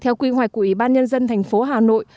theo quy hoạch của ủy ban nhân dân thành phố hà nội